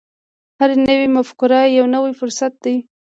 هره نوې مفکوره یو نوی فرصت دی.